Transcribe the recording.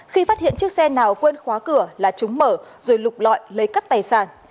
khi phát hiện chiếc xe nào quên khóa cửa là chúng mở rồi lục lọi lấy cắp tài sản